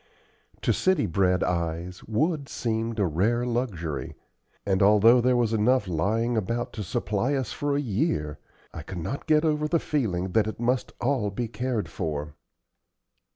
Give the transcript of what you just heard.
To city bred eyes wood seemed a rare luxury, and although there was enough lying about to supply us for a year, I could not get over the feeling that it must all be cared for.